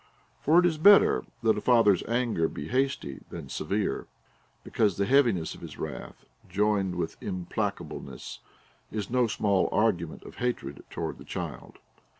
For it is better that a father's anger be hasty than severe ; because the heaviness of his Avrath, joined with unplacableness, is no small argument of hatred towards the child.